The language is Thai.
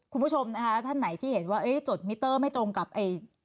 คุณผู้ชมนะคะท่านไหนที่เห็นว่าจดมิเตอร์ไม่ตรงกับไอ้